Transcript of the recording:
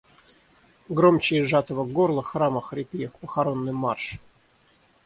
Громче из сжатого горла храма хрипи, похоронный марш!